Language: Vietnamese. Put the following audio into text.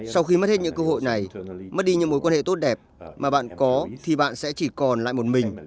sau khi mất hết những cơ hội này mất đi những mối quan hệ tốt đẹp mà bạn có thì bạn sẽ chỉ còn lại một mình